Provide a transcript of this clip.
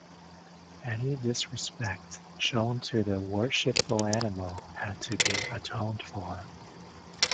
Any disrespect shown to the worshipful animal had to be atoned for.